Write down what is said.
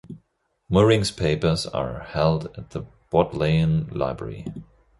Mooring's papers are held at the Bodleian Library.